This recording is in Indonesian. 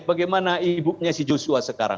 bagaimana ibunya si joshua sekarang